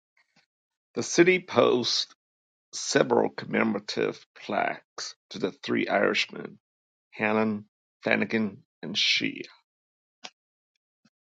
The city boasts several commemorative plaques to the three Irishmen, Hannan, Flanagan and Shea.